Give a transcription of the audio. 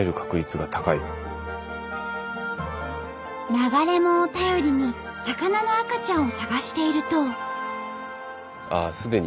流れ藻を頼りに魚の赤ちゃんを探していると。